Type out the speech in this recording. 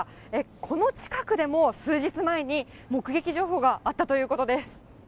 この近くでも数日前に目撃情報があったということです。